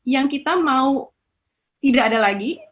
yang kita mau tidak ada lagi